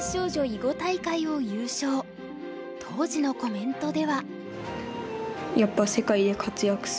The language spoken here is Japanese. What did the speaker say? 当時のコメントでは。